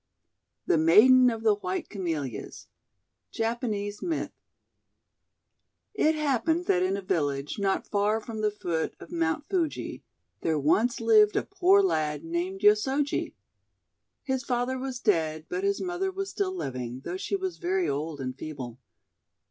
THE MAIDEN OF THE WHITE CAMELLIAS Japanese Myth IT happened that in a village, not far from the foot of Mount Fuji, there once lived a poor lad named Yosoji. His father was dead, but his mother was still living, though she was very old and feeble.